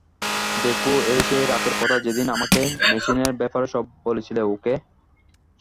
দেখো, এটা সেই রাতের কথা যেদিন আমাকে মেশিনের ব্যাপারে সব বলেছিলে, ওকে?